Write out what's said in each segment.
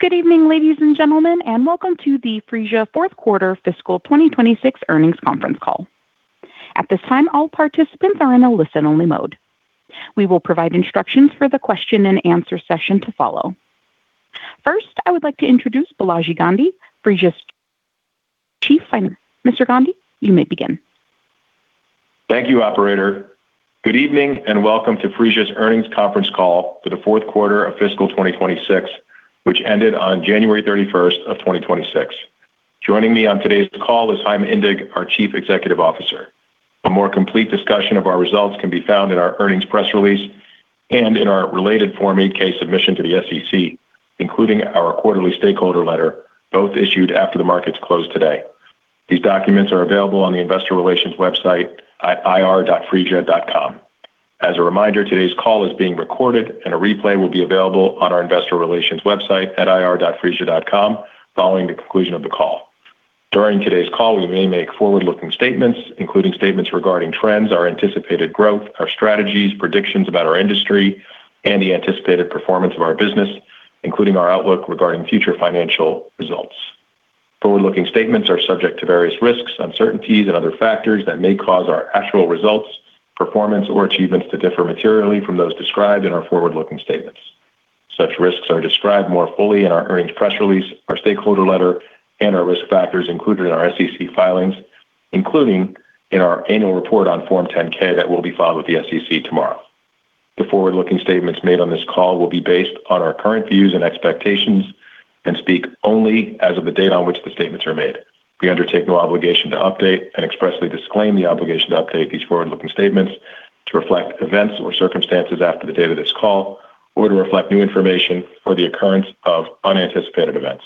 Good evening, ladies and gentlemen, and welcome to the Phreesia fourth quarter fiscal 2026 earnings conference call. At this time, all participants are in a listen-only mode. We will provide instructions for the question-and-answer session to follow. First, I would like to introduce Balaji Gandhi, Phreesia's Chief Financial Officer. Mr. Gandhi, you may begin. Thank you, operator. Good evening, and welcome to Phreesia's earnings conference call for the fourth quarter of fiscal 2026, which ended on January 31, 2026. Joining me on today's call is Chaim Indig, our Chief Executive Officer. A more complete discussion of our results can be found in our earnings press release and in our related Form 8-K submission to the SEC, including our quarterly stakeholder letter, both issued after the markets closed today. These documents are available on the investor relations website at ir.phreesia.com. As a reminder, today's call is being recorded, and a replay will be available on our investor relations website at ir.phreesia.com following the conclusion of the call. During today's call, we may make forward-looking statements, including statements regarding trends, our anticipated growth, our strategies, predictions about our industry, and the anticipated performance of our business, including our outlook regarding future financial results. Forward-looking statements are subject to various risks, uncertainties and other factors that may cause our actual results, performance, or achievements to differ materially from those described in our forward-looking statements. Such risks are described more fully in our earnings press release, our stakeholder letter, and our risk factors included in our SEC filings, including in our annual report on Form 10-K that will be filed with the SEC tomorrow. The forward-looking statements made on this call will be based on our current views and expectations and speak only as of the date on which the statements are made. We undertake no obligation to update and expressly disclaim the obligation to update these forward-looking statements to reflect events or circumstances after the date of this call or to reflect new information or the occurrence of unanticipated events.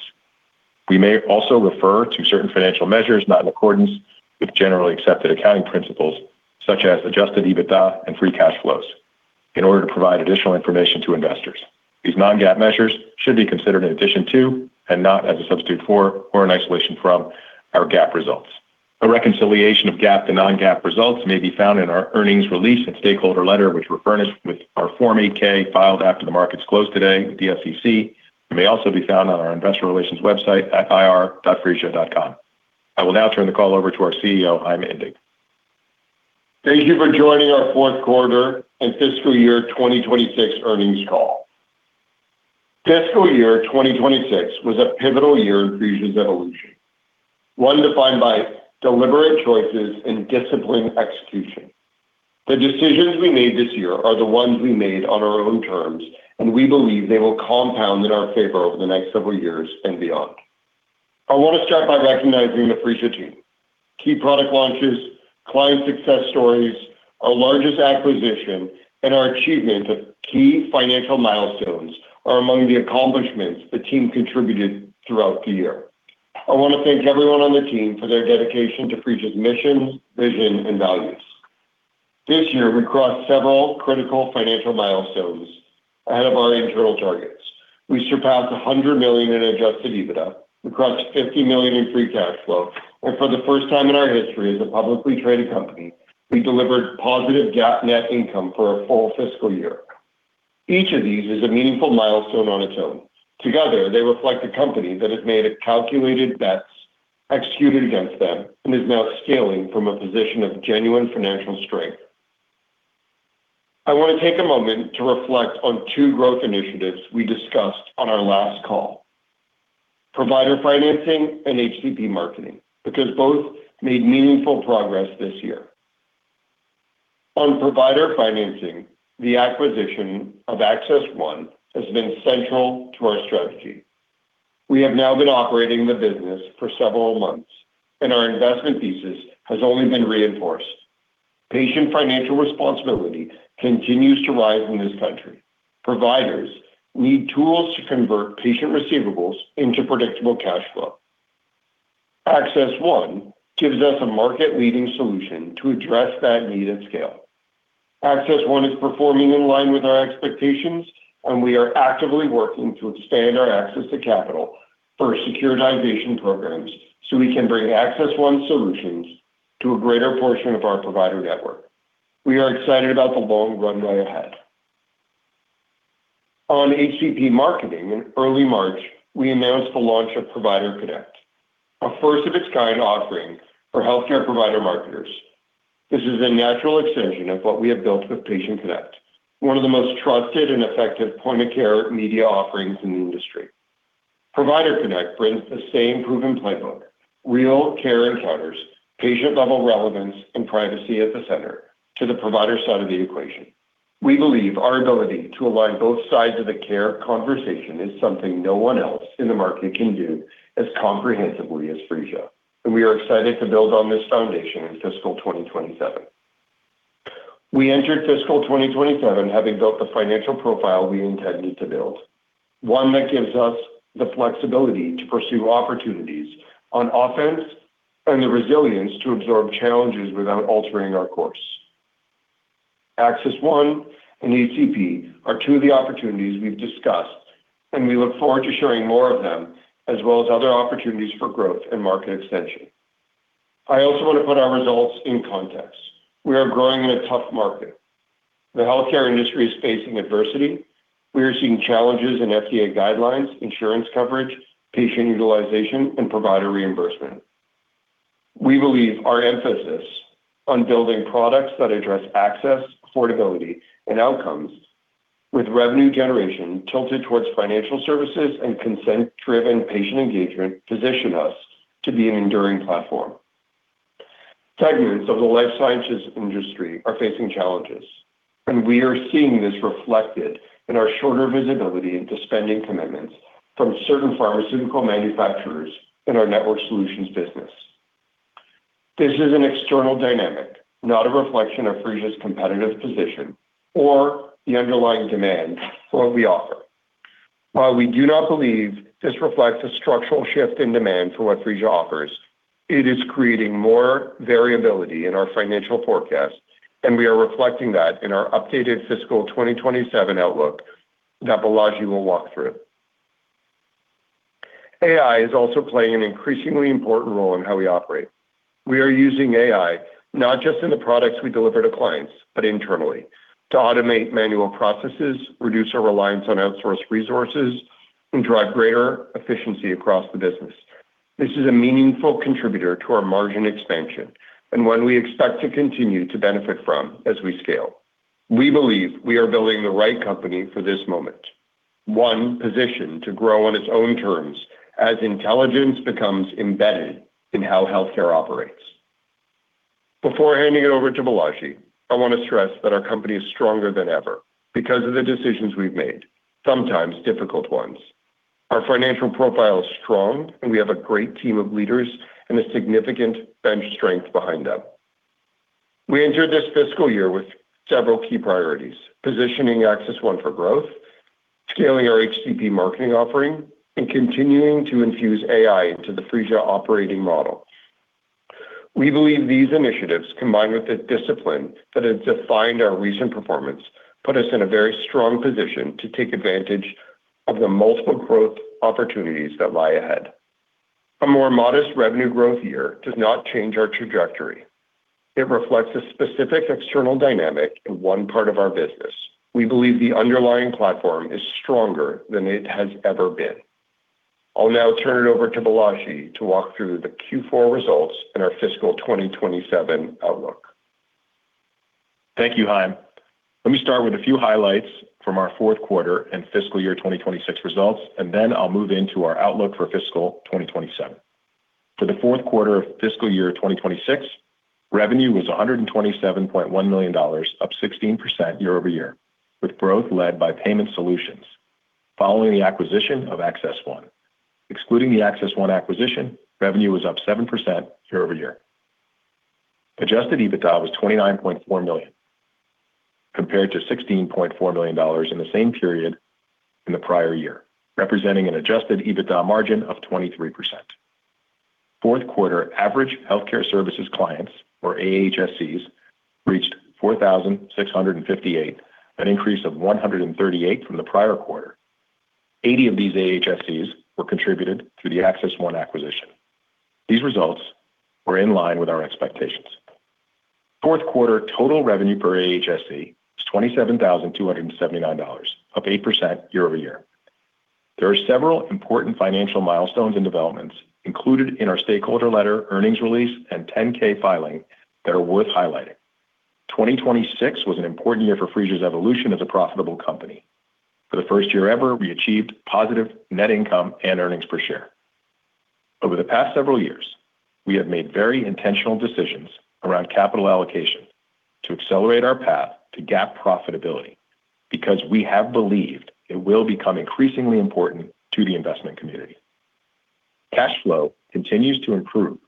We may also refer to certain financial measures not in accordance with generally accepted accounting principles, such as Adjusted EBITDA and free cash flows in order to provide additional information to investors. These non-GAAP measures should be considered in addition to and not as a substitute for or an isolation from our GAAP results. A reconciliation of GAAP to non-GAAP results may be found in our earnings release and stakeholder letter, which were furnished with our Form 8-K filed after the markets closed today with the SEC and may also be found on our investor relations website at ir.phreesia.com. I will now turn the call over to our CEO, Chaim Indig. Thank you for joining our fourth quarter and fiscal year 2026 earnings call. Fiscal year 2026 was a pivotal year in Phreesia's evolution. One defined by deliberate choices and disciplined execution. The decisions we made this year are the ones we made on our own terms, and we believe they will compound in our favor over the next several years and beyond. I want to start by recognizing the Phreesia team. Key product launches, client success stories, our largest acquisition, and our achievement of key financial milestones are among the accomplishments the team contributed throughout the year. I want to thank everyone on the team for their dedication to Phreesia's mission, vision, and values. This year, we crossed several critical financial milestones ahead of our internal targets. We surpassed $100 million in Adjusted EBITDA. We crossed $50 million in free cash flow. For the first time in our history as a publicly traded company, we delivered positive GAAP net income for a full fiscal year. Each of these is a meaningful milestone on its own. Together, they reflect a company that has made calculated bets, executed against them, and is now scaling from a position of genuine financial strength. I want to take a moment to reflect on two growth initiatives we discussed on our last call, provider financing and HCP marketing, because both made meaningful progress this year. On provider financing, the acquisition of AccessOne has been central to our strategy. We have now been operating the business for several months, and our investment thesis has only been reinforced. Patient financial responsibility continues to rise in this country. Providers need tools to convert patient receivables into predictable cash flow. AccessOne gives us a market-leading solution to address that need at scale. AccessOne is performing in line with our expectations, and we are actively working to expand our access to capital for securitization programs so we can bring AccessOne solutions to a greater portion of our provider network. We are excited about the long runway ahead. On HCP marketing, in early March, we announced the launch of ProviderConnect, a first-of-its-kind offering for healthcare provider marketers. This is a natural extension of what we have built with PatientConnect, one of the most trusted and effective point-of-care media offerings in the industry. ProviderConnect brings the same proven playbook, real care encounters, patient-level relevance, and privacy at the center to the provider side of the equation. We believe our ability to align both sides of the care conversation is something no one else in the market can do as comprehensively as Phreesia, and we are excited to build on this foundation in fiscal 2027. We entered fiscal 2027 having built the financial profile we intended to build, one that gives us the flexibility to pursue opportunities on offense and the resilience to absorb challenges without altering our course. AccessOne and HCP are two of the opportunities we've discussed, and we look forward to sharing more of them as well as other opportunities for growth and market extension. I also want to put our results in context. We are growing in a tough market. The healthcare industry is facing adversity. We are seeing challenges in FDA guidelines, insurance coverage, patient utilization, and provider reimbursement. We believe our emphasis on building products that address access, affordability, and outcomes with revenue generation tilted towards financial services and consent-driven patient engagement position us to be an enduring platform. Segments of the life sciences industry are facing challenges, and we are seeing this reflected in our shorter visibility into spending commitments from certain pharmaceutical manufacturers in our Network Solutions business. This is an external dynamic, not a reflection of Phreesia's competitive position or the underlying demand for what we offer. While we do not believe this reflects a structural shift in demand for what Phreesia offers, it is creating more variability in our financial forecasts, and we are reflecting that in our updated fiscal 2027 outlook that Balaji will walk through. AI is also playing an increasingly important role in how we operate. We are using AI not just in the products we deliver to clients, but internally to automate manual processes, reduce our reliance on outsourced resources, and drive greater efficiency across the business. This is a meaningful contributor to our margin expansion and one we expect to continue to benefit from as we scale. We believe we are building the right company for this moment. One positioned to grow on its own terms as intelligence becomes embedded in how healthcare operates. Before handing it over to Balaji, I want to stress that our company is stronger than ever because of the decisions we've made, sometimes difficult ones. Our financial profile is strong, and we have a great team of leaders and a significant bench strength behind them. We entered this fiscal year with several key priorities, positioning AccessOne for growth, scaling our HCP marketing offering, and continuing to infuse AI into the Phreesia operating model. We believe these initiatives, combined with the discipline that has defined our recent performance, put us in a very strong position to take advantage of the multiple growth opportunities that lie ahead. A more modest revenue growth year does not change our trajectory. It reflects a specific external dynamic in one part of our business. We believe the underlying platform is stronger than it has ever been. I'll now turn it over to Balaji to walk through the Q4 results and our fiscal 2027 outlook. Thank you, Chaim. Let me start with a few highlights from our fourth quarter and fiscal year 2026 results, and then I'll move into our outlook for fiscal 2027. For the fourth quarter of fiscal year 2026, revenue was $127.1 million, up 16% year-over-year, with growth led by Payment Solutions following the acquisition of AccessOne. Excluding the AccessOne acquisition, revenue was up 7% year-over-year. Adjusted EBITDA was $29.4 million, compared to $16.4 million in the same period in the prior year, representing an Adjusted EBITDA margin of 23%. Fourth quarter Average Healthcare Services Clients, or AHSCs, reached 4,658, an increase of 138 from the prior quarter. 80 of these AHSCs were contributed through the AccessOne acquisition. These results were in line with our expectations. Fourth quarter total revenue per AHSC was $27,279, up 8% year-over-year. There are several important financial milestones and developments included in our stakeholder letter, earnings release, and Form 10-K filing that are worth highlighting. 2026 was an important year for Phreesia's evolution as a profitable company. For the first year ever, we achieved positive net income and earnings per share. Over the past several years, we have made very intentional decisions around capital allocation to accelerate our path to GAAP profitability because we have believed it will become increasingly important to the investment community. Cash flow continues to improve.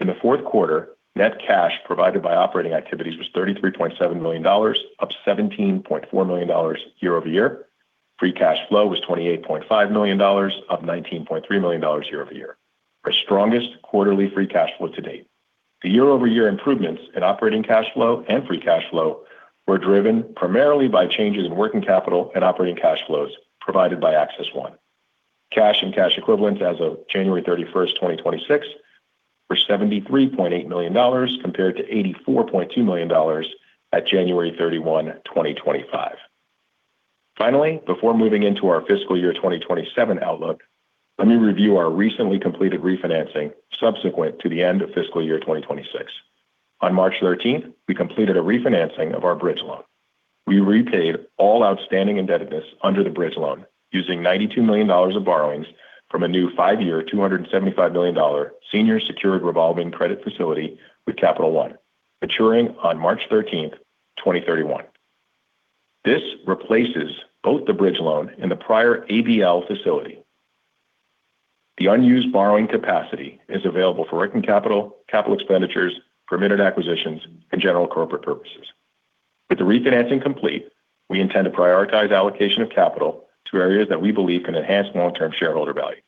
In the fourth quarter, net cash provided by operating activities was $33.7 million, up $17.4 million year-over-year. Free cash flow was $28.5 million, up $19.3 million year-over-year. Our strongest quarterly free cash flow to date. The year-over-year improvements in operating cash flow and free cash flow were driven primarily by changes in working capital and operating cash flows provided by AccessOne. Cash and cash equivalents as of January 31st, 2026 were $73.8 million compared to $84.2 million at January 31, 2025. Finally, before moving into our fiscal year 2027 outlook, let me review our recently completed refinancing subsequent to the end of fiscal year 2026. On March 13, we completed a refinancing of our bridge loan. We repaid all outstanding indebtedness under the bridge loan using $92 million of borrowings from a new five-year, $275 million senior secured revolving credit facility with Capital One, maturing on March 13th, 2031. This replaces both the bridge loan and the prior ABL facility. The unused borrowing capacity is available for working capital expenditures, permitted acquisitions, and general corporate purposes. With the refinancing complete, we intend to prioritize allocation of capital to areas that we believe can enhance long-term shareholder value,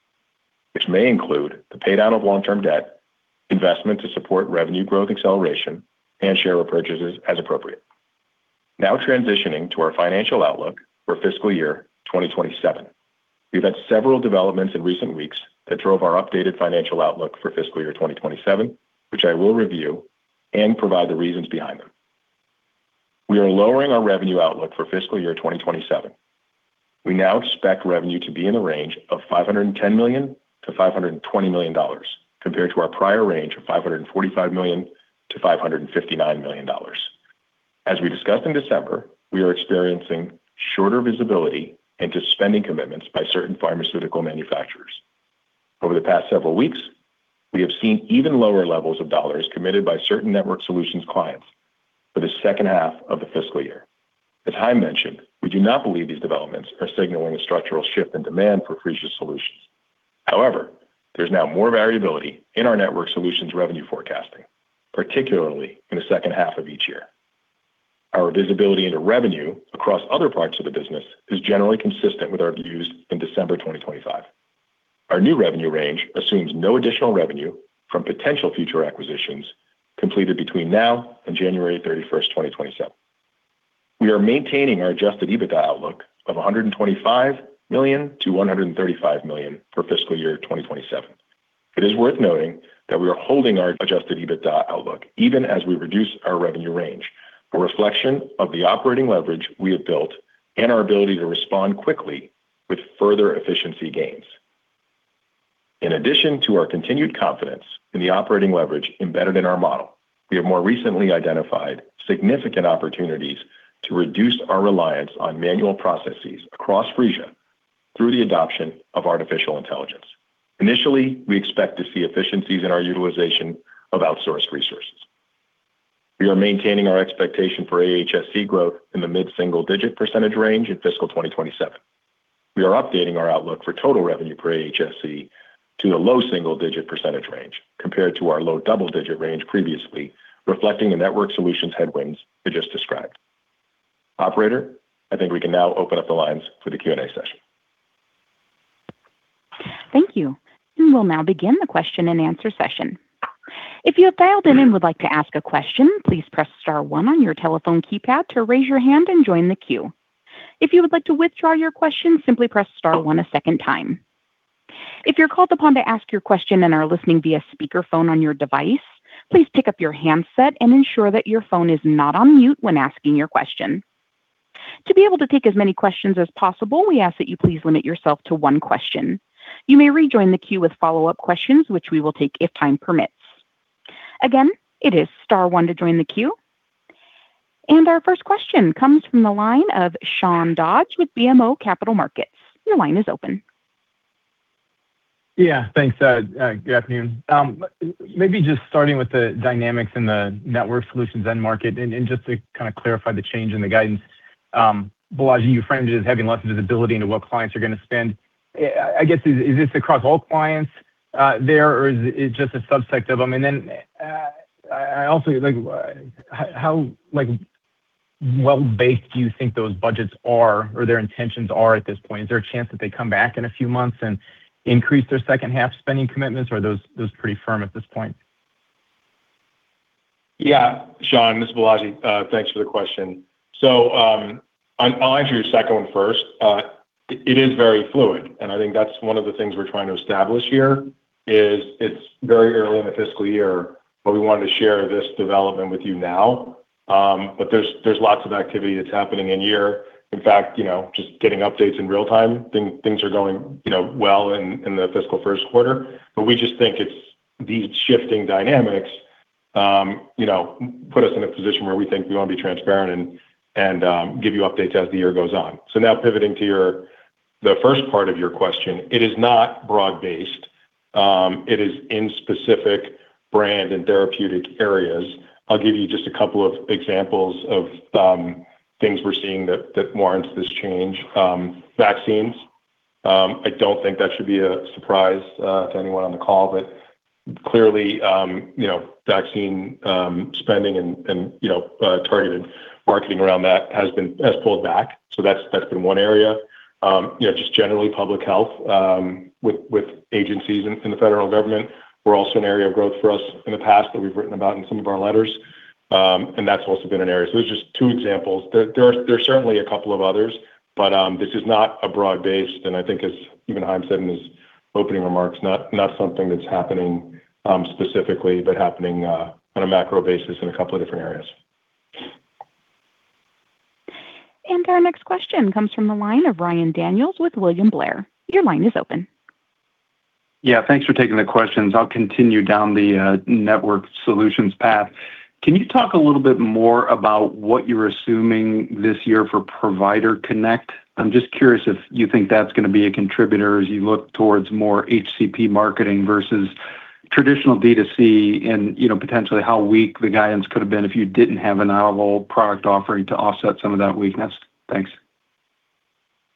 which may include the paydown of long-term debt, investment to support revenue growth acceleration, and share repurchases as appropriate. Now transitioning to our financial outlook for fiscal year 2027. We've had several developments in recent weeks that drove our updated financial outlook for fiscal year 2027, which I will review and provide the reasons behind them. We are lowering our revenue outlook for fiscal year 2027. We now expect revenue to be in the range of $510 million-$520 million compared to our prior range of $545 million-$559 million. As we discussed in December, we are experiencing shorter visibility into spending commitments by certain pharmaceutical manufacturers. Over the past several weeks, we have seen even lower levels of dollars committed by certain Network Solutions clients for the second half of the fiscal year. As Chaim mentioned, we do not believe these developments are signaling a structural shift in demand for Phreesia solutions. However, there's now more variability in our Network Solutions revenue forecasting, particularly in the second half of each year. Our visibility into revenue across other parts of the business is generally consistent with our views in December 2025. Our new revenue range assumes no additional revenue from potential future acquisitions completed between now and January 31, 2027. We are maintaining our Adjusted EBITDA outlook of $125 million-$135 million for fiscal year 2027. It is worth noting that we are holding our Adjusted EBITDA outlook even as we reduce our revenue range, a reflection of the operating leverage we have built and our ability to respond quickly with further efficiency gains. In addition to our continued confidence in the operating leverage embedded in our model, we have more recently identified significant opportunities to reduce our reliance on manual processes across Phreesia through the adoption of artificial intelligence. Initially, we expect to see efficiencies in our utilization of outsourced resources. We are maintaining our expectation for AHSC growth in the mid-single digit percentage range in fiscal 2027. We are updating our outlook for total revenue per AHSC to the low single-digit percentage range compared to our low double-digit range previously, reflecting the Network Solutions headwinds we just described. Operator, I think we can now open up the lines for the Q&A session. Thank you. We will now begin the question-and-answer session. If you have dialed in and would like to ask a question, please press star one on your telephone keypad to raise your hand and join the queue. If you would like to withdraw your question, simply press star one a second time. If you're called upon to ask your question and are listening via speakerphone on your device, please pick up your handset and ensure that your phone is not on mute when asking your question. To be able to take as many questions as possible, we ask that you please limit yourself to one question. You may rejoin the queue with follow-up questions, which we will take if time permits. Again, it is star one to join the queue. Our first question comes from the line of Sean Dodge with BMO Capital Markets. Your line is open. Yeah, thanks. Good afternoon. Maybe just starting with the dynamics in the Network Solutions end market and just to kind of clarify the change in the guidance. Balaji, you framed it as having less visibility into what clients are gonna spend. I guess, is this across all clients there, or is it just a subset of them? I also like how, like well-based do you think those budgets are or their intentions are at this point? Is there a chance that they come back in a few months and increase their second half spending commitments, or are those pretty firm at this point? Yeah. Sean, this is Balaji. Thanks for the question. I'll answer your second one first. It is very fluid, and I think that's one of the things we're trying to establish here is it's very early in the fiscal year, but we wanted to share this development with you now. There's lots of activity that's happening in year. In fact, you know, just getting updates in real-time, things are going, you know, well in the fiscal first quarter. We just think it's these shifting dynamics, you know, put us in a position where we think we wanna be transparent and give you updates as the year goes on. Now pivoting to your, the first part of your question, it is not broad-based. It is in specific brand and therapeutic areas. I'll give you just a couple of examples of things we're seeing that warrants this change. Vaccines, I don't think that should be a surprise to anyone on the call, but clearly, you know, vaccine spending and you know targeted marketing around that has pulled back. That's been one area. You know, just generally public health with agencies in the federal government were also an area of growth for us in the past that we've written about in some of our letters. That's also been an area. There're just two examples. There are certainly a couple of others, but this is not a broad-based, and I think as even Chaim said in his opening remarks, not something that's happening specifically, but happening on a macro basis in a couple of different areas. Our next question comes from the line of Ryan Daniels with William Blair. Your line is open. Yeah. Thanks for taking the questions. I'll continue down the Network Solutions path. Can you talk a little bit more about what you're assuming this year for ProviderConnect? I'm just curious if you think that's gonna be a contributor as you look towards more HCP marketing versus traditional D2C and, you know, potentially how weak the guidance could have been if you didn't have a novel product offering to offset some of that weakness. Thanks.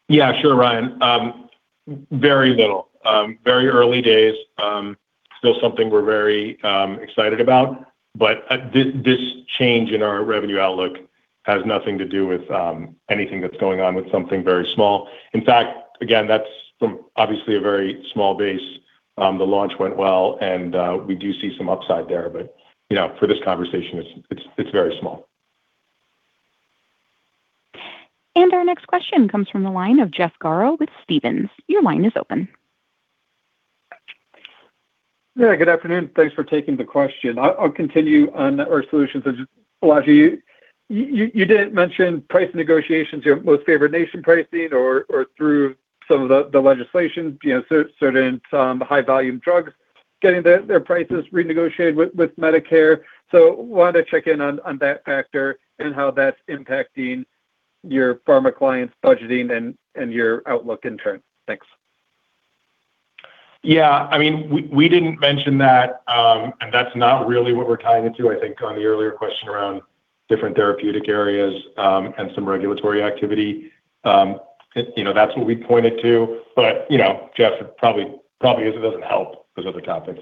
Yeah, sure, Ryan. Very little. Very early days. Still, something we're very excited about, but this change in our revenue outlook has nothing to do with anything that's going on with something very small. In fact, again, that's from obviously a very small base. The launch went well, and we do see some upside there, but you know, for this conversation, it's very small. Our next question comes from the line of Jeff Garro with Stephens. Your line is open. Yeah, good afternoon. Thanks for taking the question. I'll continue on Network Solutions. Just, Balaji, you didn't mention price negotiations, your most-favored-nation pricing or through some of the legislation, you know, certain high-volume drugs getting their prices renegotiated with Medicare. Wanted to check in on that factor and how that's impacting your pharma clients' budgeting and your outlook in turn. Thanks. Yeah, I mean, we didn't mention that, and that's not really what we're tying into. I think on the earlier question around different therapeutic areas, and some regulatory activity. You know, that's what we pointed to. You know, Jeff, it probably is. It doesn't help those other topics.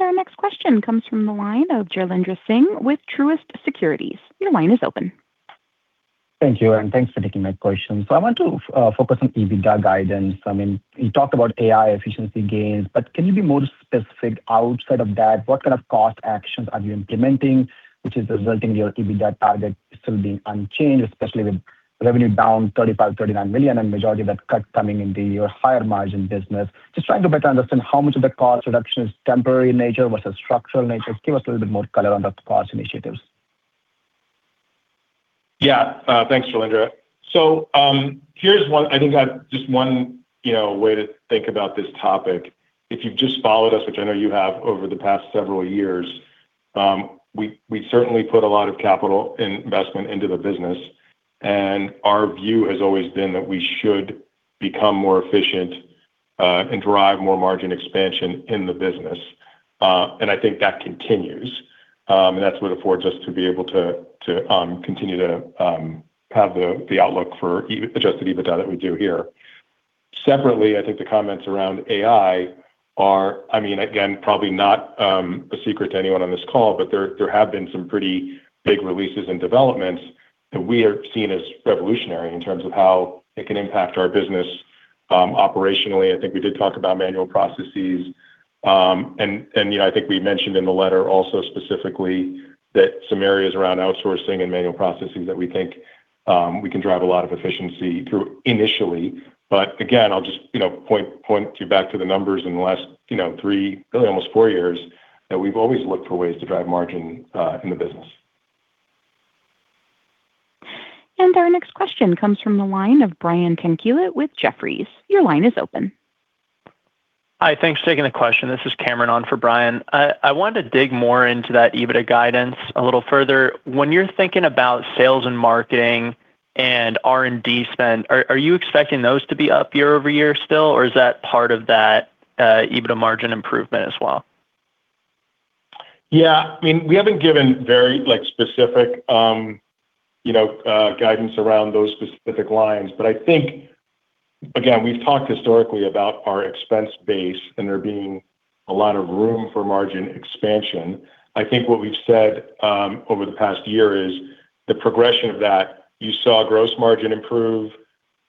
Our next question comes from the line of Jailendra Singh with Truist Securities. Your line is open. Thank you, and thanks for taking my question. I want to focus on EBITDA guidance. I mean, you talked about AI efficiency gains, but can you be more specific outside of that? What kind of cost actions are you implementing which is resulting in your EBITDA target still being unchanged, especially with revenue down $35 million-$39 million and majority of that cut coming in your higher margin business? Just trying to better understand how much of that cost reduction is temporary in nature versus structural in nature. Give us a little bit more color on the cost initiatives. Yeah. Thanks, Jailendra. I think I've just one, you know, way to think about this topic. If you've just followed us, which I know you have over the past several years, we certainly put a lot of capital investment into the business, and our view has always been that we should become more efficient and drive more margin expansion in the business. I think that continues. That's what affords us to be able to continue to have the outlook for Adjusted EBITDA that we do here. Separately, I think the comments around AI are, I mean, again, probably not a secret to anyone on this call, but there have been some pretty big releases and developments that we are seeing as revolutionary in terms of how it can impact our business operationally. I think we did talk about manual processes and, you know, I think we mentioned in the letter also specifically that some areas around outsourcing and manual processing that we think we can drive a lot of efficiency through initially. Again, I'll just, you know, point you back to the numbers in the last, you know, three, really almost four years, that we've always looked for ways to drive margin in the business. Our next question comes from the line of Brian Tanquilut with Jefferies. Your line is open. Hi. Thanks for taking the question. This is Cameron on for Brian. I wanted to dig more into that EBITDA guidance a little further. When you're thinking about sales and marketing and R&D spend, are you expecting those to be up year-over-year still, or is that part of that EBITDA margin improvement as well? Yeah. I mean, we haven't given very, like, specific, you know, guidance around those specific lines. I think, again, we've talked historically about our expense base and there being a lot of room for margin expansion. I think what we've said, over the past year is the progression of that, you saw gross margin improve,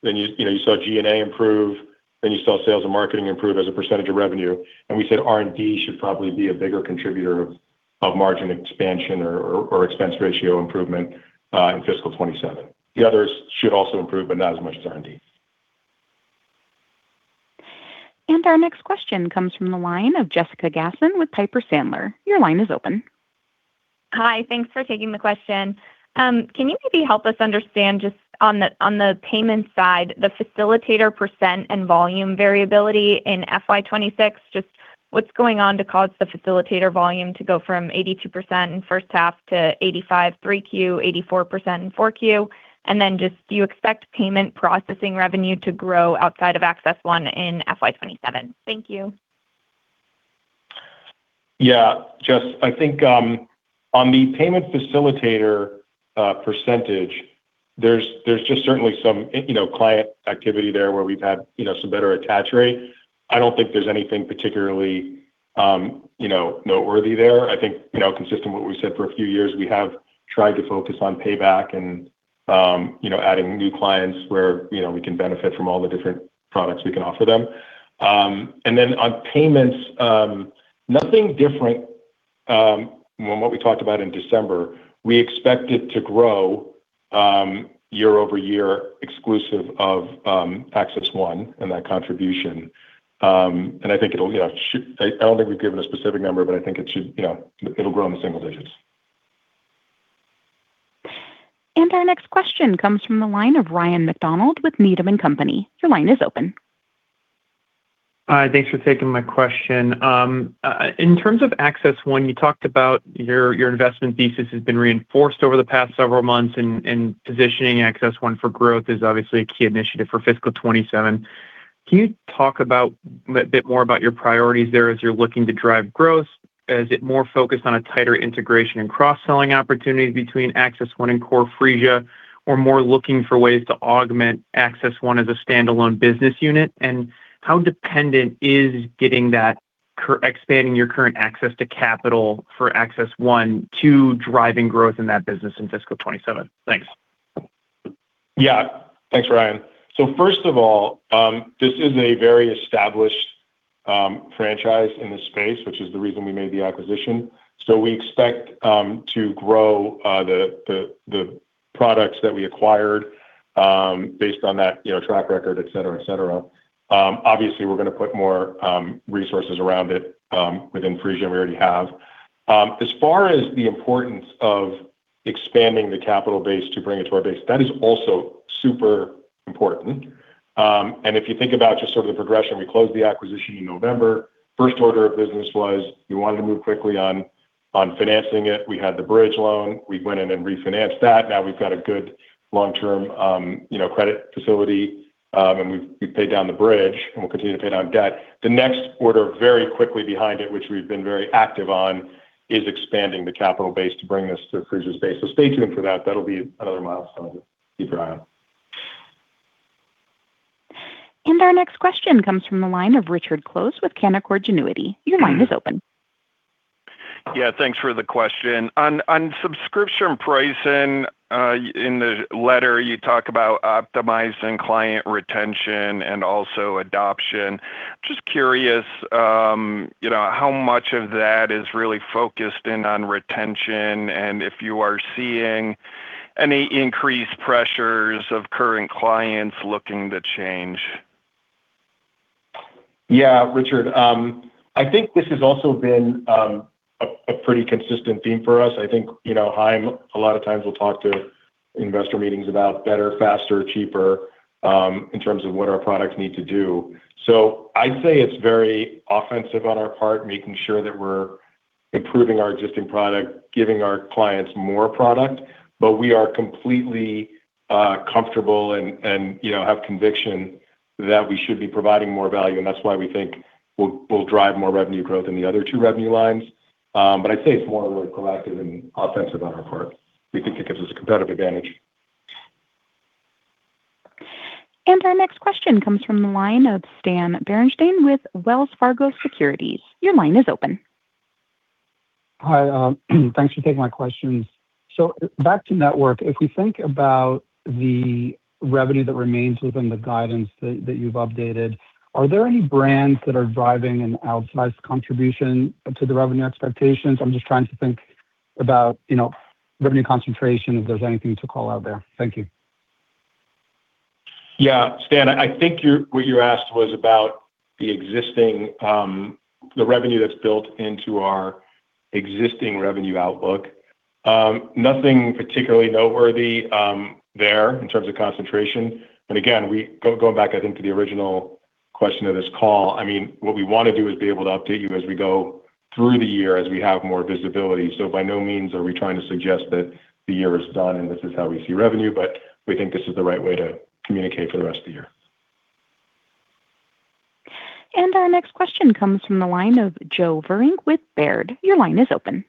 then you know, you saw G&A improve, then you saw sales and marketing improve as a percentage of revenue, and we said R&D should probably be a bigger contributor of margin expansion or expense ratio improvement, in fiscal 2027. The others should also improve, but not as much as R&D. Our next question comes from the line of Jessica Tassan with Piper Sandler. Your line is open. Hi. Thanks for taking the question. Can you maybe help us understand just on the, on the Payment side, the facilitator percent and volume variability in FY 2026, just what's going on to cause the facilitator volume to go from 82% in first half to 85% in Q3, 84% in Q4? Do you expect Payment Processing revenue to grow outside of AccessOne in FY 2027? Thank you. Yeah. Jessica, I think on the Payment facilitator percentage, there's just certainly some you know client activity there where we've had you know some better attach rate. I don't think there's anything particularly you know noteworthy there. I think you know consistent with what we've said for a few years, we have tried to focus on payback and you know adding new clients where you know we can benefit from all the different products we can offer them. On Payments, nothing different from what we talked about in December. We expect it to grow year-over-year exclusive of AccessOne and that contribution. I think it'll you know I don't think we've given a specific number, but I think it should you know it'll grow in the single digits. Our next question comes from the line of Ryan MacDonald with Needham & Company. Your line is open. Thanks for taking my question. In terms of AccessOne, you talked about your investment thesis has been reinforced over the past several months and positioning AccessOne for growth is obviously a key initiative for fiscal 2027. Can you talk about a bit more about your priorities there as you're looking to drive growth? Is it more focused on a tighter integration and cross-selling opportunities between AccessOne and Core Phreesia, or more looking for ways to augment AccessOne as a standalone business unit? How dependent is getting that Expanding your current access to capital for AccessOne to driving growth in that business in fiscal 2027. Thanks. Yeah. Thanks, Ryan. First of all, this is a very established franchise in this space, which is the reason we made the acquisition. We expect to grow the products that we acquired based on that, you know, track record, et cetera, et cetera. Obviously, we're gonna put more resources around it within Phreesia than we already have. As far as the importance of expanding the capital base to bring it to our base, that is also super important. If you think about just sort of the progression, we closed the acquisition in November. First order of business was we wanted to move quickly on financing it. We had the bridge loan. We went in and refinanced that. Now we've got a good long-term, you know, credit facility, and we've paid down the bridge, and we'll continue to pay down debt. The next order very quickly behind it, which we've been very active on, is expanding the capital base to bring this to Phreesia's base. Stay tuned for that. That'll be another milestone. Thank you, Ryan. Our next question comes from the line of Richard Close with Canaccord Genuity. Your line is open. Yeah. Thanks for the question. On Subscription pricing, in the letter, you talk about optimizing client retention and also adoption. Just curious, you know, how much of that is really focused in on retention, and if you are seeing any increased pressures of current clients looking to change? Yeah, Richard. I think this has also been a pretty consistent theme for us. I think, you know, Chaim, a lot of times, will talk to investor meetings about better, faster, cheaper in terms of what our products need to do. I'd say it's very offensive on our part, making sure that we're improving our existing product, giving our clients more product, but we are completely comfortable and have conviction that we should be providing more value, and that's why we think we'll drive more revenue growth in the other two revenue lines. I'd say it's more of a proactive and offensive on our part. We think it gives us a competitive advantage. Our next question comes from the line of Stan Berenshteyn with Wells Fargo Securities. Your line is open. Hi. Thanks for taking my questions. Back to network. If we think about the revenue that remains within the guidance that you've updated, are there any brands that are driving an outsized contribution to the revenue expectations? I'm just trying to think about, you know, revenue concentration, if there's anything to call out there. Thank you. Yeah. Stan, I think what you asked was about the existing, the revenue that's built into our existing revenue outlook. Nothing particularly noteworthy there in terms of concentration. Again, going back, I think, to the original question of this call, I mean, what we wanna do is be able to update you as we go through the year as we have more visibility. By no means are we trying to suggest that the year is done, and this is how we see revenue, but we think this is the right way to communicate for the rest of the year. Our next question comes from the line of Joe Vruwink with Baird. Your line is open.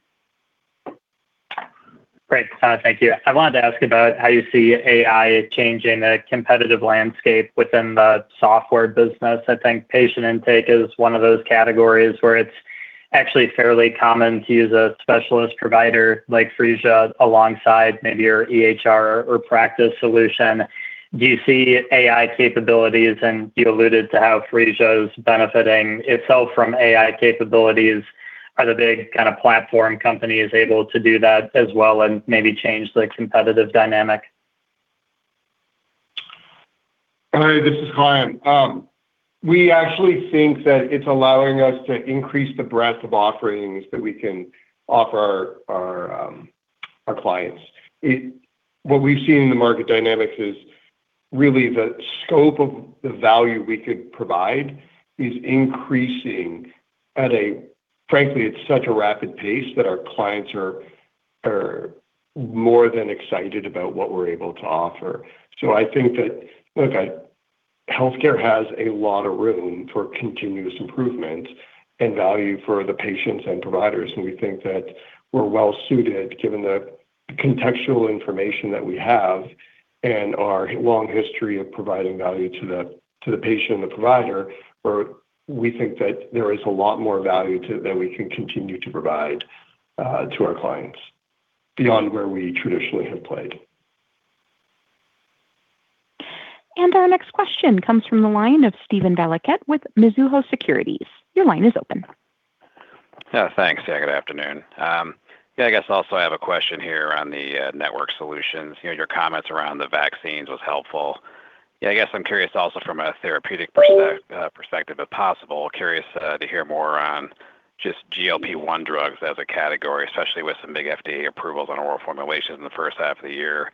Great. Thank you. I wanted to ask about how you see AI changing the competitive landscape within the software business. I think patient intake is one of those categories where it's actually fairly common to use a specialist provider like Phreesia alongside maybe your EHR or practice solution. Do you see AI capabilities, and you alluded to how Phreesia is benefiting itself from AI capabilities. Are the big kind of platform companies able to do that as well and maybe change the competitive dynamic? Hi, this is Chaim. We actually think that it's allowing us to increase the breadth of offerings that we can offer our clients. What we've seen in the market dynamics is really the scope of the value we could provide is increasing at a frankly, it's such a rapid pace that our clients are more than excited about what we're able to offer. I think that, look, healthcare has a lot of room for continuous improvement and value for the patients and providers, and we think that we're well suited, given the contextual information that we have and our long history of providing value to the patient and the provider, where we think that there is a lot more value that we can continue to provide to our clients beyond where we traditionally have played. Our next question comes from the line of Steven Valiquette with Mizuho Securities. Your line is open. Yeah, thanks. Yeah, good afternoon. I guess also I have a question here on the Network Solutions. You know, your comments around the vaccines was helpful. Yeah, I guess I'm curious also from a therapeutic perspective, if possible. Curious to hear more on just GLP-1 drugs as a category, especially with some big FDA approvals on oral formulations in the first half of the year.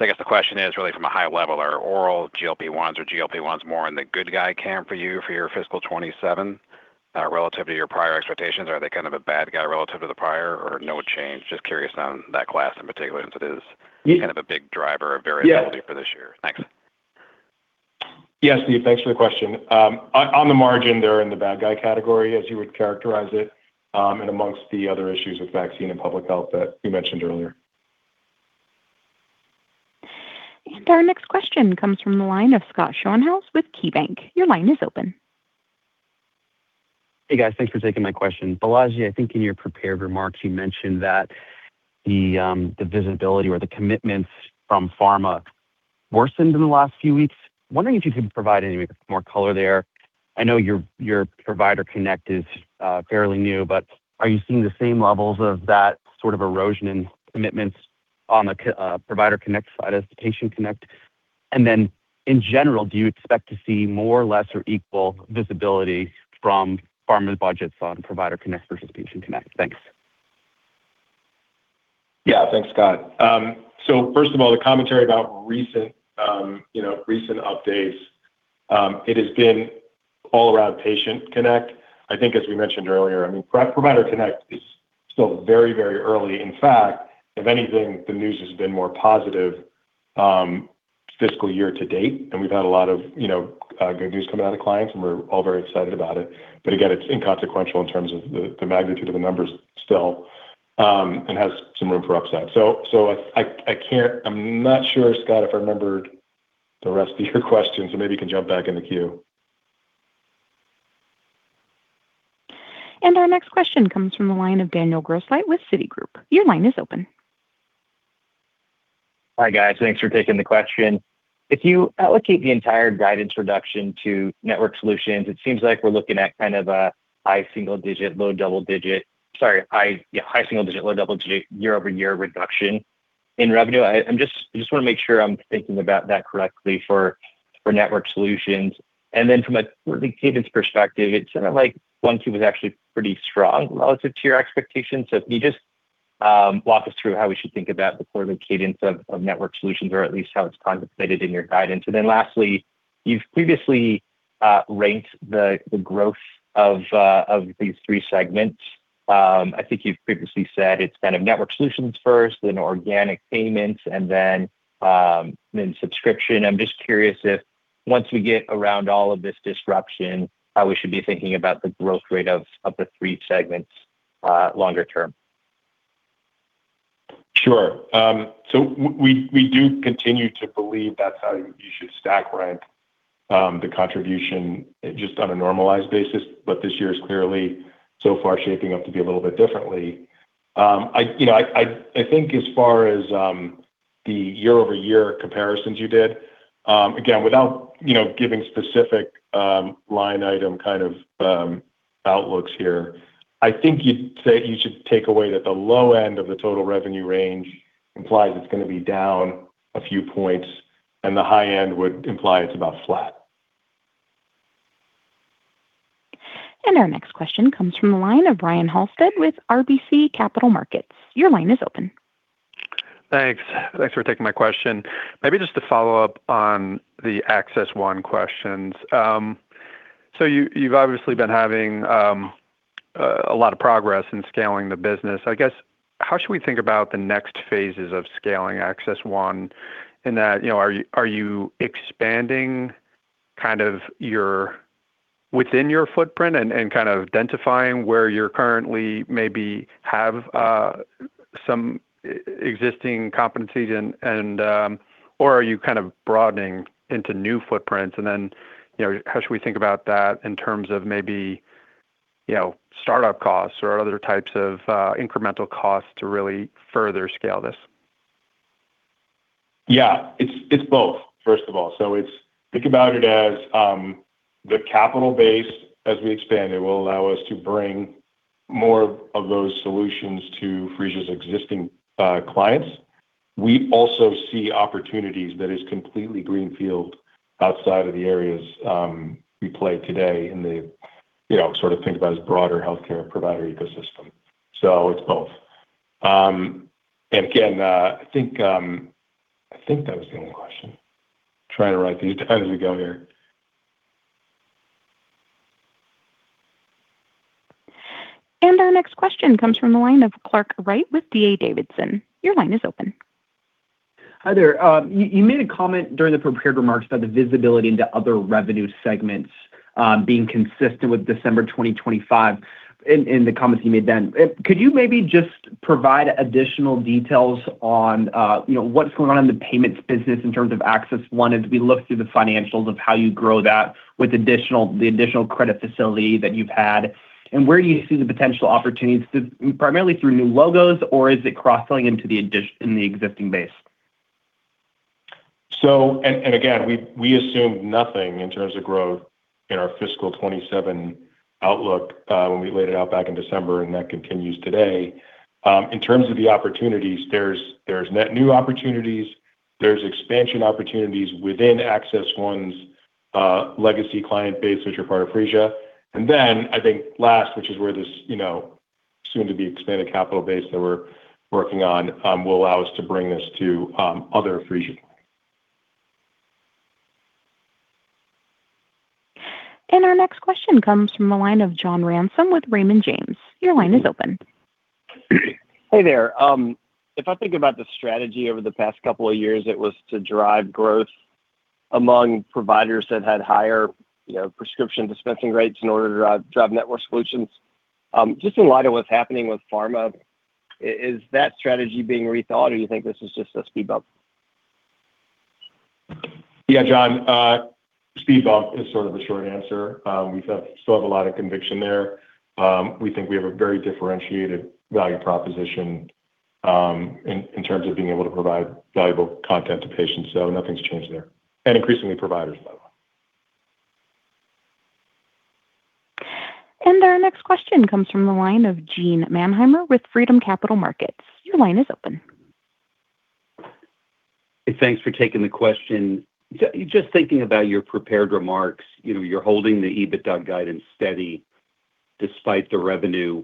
I guess the question is really from a high level, are oral GLP-1s or GLP-1s more in the good guy camp for you for your fiscal 2027 relative to your prior expectations? Are they kind of a bad guy relative to the prior or no change? Just curious on that class in particular since it is- Y- Kind of a big driver of variability- Yeah. For this year. Thanks. Yes, Steven, thanks for the question. On the margin, they're in the bad guy category, as you would characterize it, and amongst the other issues with vaccine and public health that you mentioned earlier. Our next question comes from the line of Scott Schoenhaus with KeyBanc. Your line is open. Hey, guys. Thanks for taking my question. Balaji, I think in your prepared remarks, you mentioned that the visibility or the commitments from pharma worsened in the last few weeks. Wondering if you could provide any more color there. I know your ProviderConnect is fairly new, but are you seeing the same levels of that sort of erosion in commitments on the ProviderConnect side as the PatientConnect? And then in general, do you expect to see more or less or equal visibility from pharma's budgets on ProviderConnect versus PatientConnect? Thanks. Yeah. Thanks, Scott. First of all, the commentary about recent, you know, recent updates, it has been all around PatientConnect. I think as we mentioned earlier, I mean, ProviderConnect is still very, very early. In fact, if anything, the news has been more positive, fiscal year to date, and we've had a lot of, you know, good news coming out of clients, and we're all very excited about it. Again, it's inconsequential in terms of the magnitude of the numbers still, and has some room for upside. I can't. I'm not sure, Scott, if I remembered the rest of your question, so maybe you can jump back in the queue. Our next question comes from the line of Daniel Grosslight with Citigroup. Your line is open. Hi, guys. Thanks for taking the question. If you allocate the entire guidance reduction to Network Solutions, it seems like we're looking at kind of a high-single digit, low-double digit year-over-year reduction in revenue. I'm just wanna make sure I'm thinking about that correctly for Network Solutions. Then from a sort of cadence perspective, it sounded like Q1, Q2 was actually pretty strong relative to your expectations. Can you just walk us through how we should think about the sort of cadence of Network Solutions or at least how it's contemplated in your guidance? Then lastly, you've previously ranked the growth of these three segments. I think you've previously said it's kind of Network Solutions first, then organic Payments, and then Subscription. I'm just curious if once we get around all of this disruption, how we should be thinking about the growth rate of the three segments longer term. Sure. We do continue to believe that's how you should stack rank the contribution just on a normalized basis, but this year is clearly so far shaping up to be a little bit differently. I think as far as the year-over-year comparisons you did, again, without you know, giving specific line item kind of outlooks here, you'd say you should take away that the low end of the total revenue range implies it's gonna be down a few points, and the high end would imply it's about flat. Our next question comes from the line of Ryan Halsted with RBC Capital Markets. Your line is open. Thanks. Thanks for taking my question. Maybe just to follow up on the AccessOne questions. So you've obviously been having a lot of progress in scaling the business. I guess how should we think about the next phases of scaling AccessOne in that, you know, are you expanding within your footprint and kind of identifying where you currently maybe have some existing competencies and or are you kind of broadening into new footprints? You know, how should we think about that in terms of maybe, you know, startup costs or other types of incremental costs to really further scale this? Yeah. It's both, first of all. Think about it as the capital base as we expand, it will allow us to bring more of those solutions to Phreesia's existing clients. We also see opportunities that is completely greenfield outside of the areas we play today in the broader healthcare provider ecosystem. It's both. Again, I think that was the only question. Trying to write these as we go here. Our next question comes from the line of Clark Wright with D.A. Davidson. Your line is open. Hi there. You made a comment during the prepared remarks about the visibility into other revenue segments being consistent with December 2025 in the comments you made then. Could you maybe just provide additional details on, you know, what's going on in the Payments business in terms of AccessOne as we look through the financials of how you grow that with the additional credit facility that you've had? Where do you see the potential opportunities, primarily through new logos, or is it cross-selling into the existing base? Again, we assumed nothing in terms of growth in our fiscal 2027 outlook, when we laid it out back in December, and that continues today. In terms of the opportunities, there's net new opportunities, there's expansion opportunities within AccessOne's legacy client base, which are part of Phreesia. I think last, which is where this, you know, soon to be expanded capital base that we're working on, will allow us to bring this to other Phreesia. Our next question comes from the line of John Ransom with Raymond James. Your line is open. Hey there. If I think about the strategy over the past couple of years, it was to drive growth among providers that had higher, you know, prescription dispensing rates in order to drive network solutions. Just in light of what's happening with pharma, is that strategy being rethought, or you think this is just a speed bump? Yeah, John, speed bump is sort of the short answer. Still have a lot of conviction there. We think we have a very differentiated value proposition in terms of being able to provide valuable content to patients. Nothing's changed there, and increasingly providers level. Our next question comes from the line of Gene Mannheimer with Freedom Capital Markets. Your line is open. Hey, thanks for taking the question. Just thinking about your prepared remarks, you know, you're holding the EBITDA guidance steady despite the revenue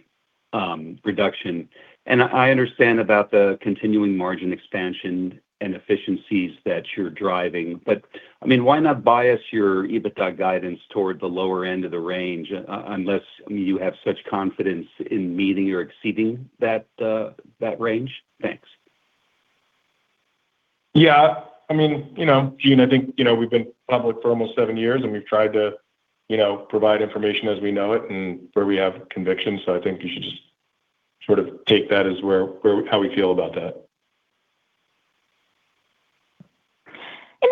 reduction. I understand about the continuing margin expansion and efficiencies that you're driving. I mean, why not bias your EBITDA guidance toward the lower end of the range unless, I mean, you have such confidence in meeting or exceeding that range? Thanks. Yeah. I mean, you know, Gene, I think, you know, we've been public for almost seven years, and we've tried to, you know, provide information as we know it and where we have conviction. I think you should just sort of take that as where how we feel about that.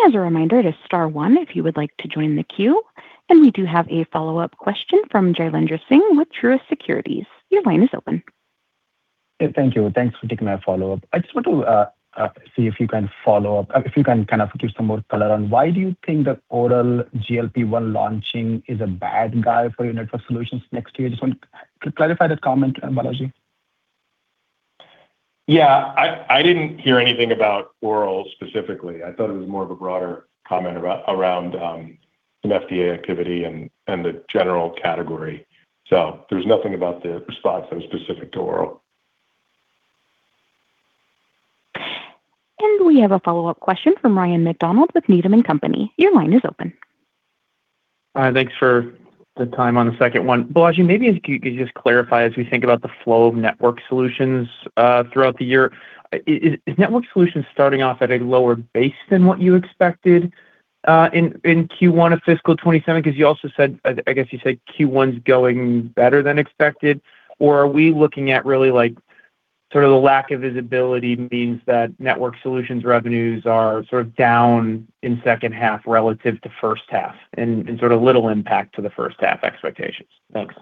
As a reminder, it is star one if you would like to join the queue, and we do have a follow-up question from Jailendra Singh with Truist Securities. Your line is open. Yeah, thank you. Thanks for taking my follow-up. If you can kind of give some more color on why you think that oral GLP-1 launching is a bad thing for your Network Solutions next year. Just want to clarify that comment, Balaji. Yeah. I didn't hear anything about oral specifically. I thought it was more of a broader comment around some FDA activity and the general category. There's nothing about the response that was specific to oral. We have a follow-up question from Ryan MacDonald with Needham & Company. Your line is open. Thanks for the time on the second one. Balaji, maybe if you could just clarify as we think about the flow of Network Solutions throughout the year. Is Network Solutions starting off at a lower base than what you expected in Q1 of FY 2027? Because you also said, I guess you said Q1's going better than expected. Or are we looking at really, like, sort of the lack of visibility means that Network Solutions revenues are sort of down in second half relative to first half and sort of little impact to the first half expectations? Thanks.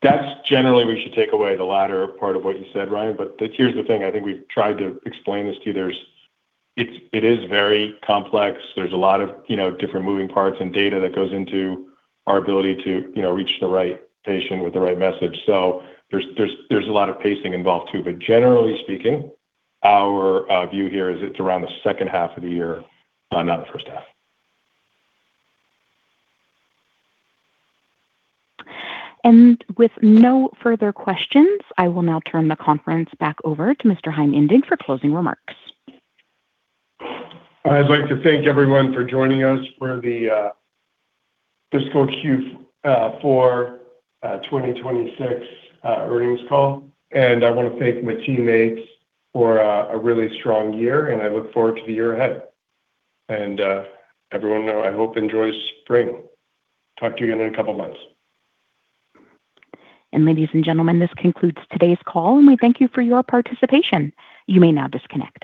That's generally we should take away the latter part of what you said, Ryan. Here's the thing, I think we've tried to explain this to you. It is very complex. There's a lot of, you know, different moving parts and data that goes into our ability to, you know, reach the right patient with the right message. There's a lot of pacing involved too. Generally speaking, our view here is it's around the second half of the year, not the first half. With no further questions, I will now turn the conference back over to Mr. Chaim Indig for closing remarks. I'd like to thank everyone for joining us for the fiscal Q4 2026 earnings call. I wanna thank my teammates for a really strong year, and I look forward to the year ahead. I hope everyone enjoys spring. Talk to you in a couple of months. Ladies and gentlemen, this concludes today's call, and we thank you for your participation. You may now disconnect.